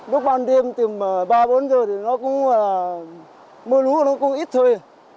lúc ban đêm từ ba bốn giờ thì mưa lũ cũng ít thôi